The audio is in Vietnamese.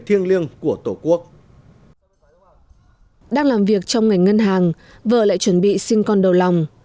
thiêng liêng của tổ quốc đang làm việc trong ngành ngân hàng vợ lại chuẩn bị sinh con đầu lòng